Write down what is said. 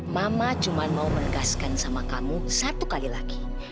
mama cuma mau menegaskan sama kamu satu kali lagi